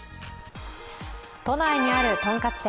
都内にあるとんかつ店。